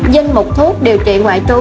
dân một thuốc điều trị ngoại trú